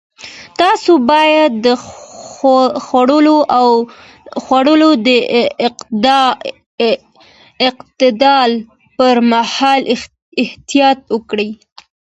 تاسو باید د خوړو د انتقال پر مهال احتیاط وکړئ.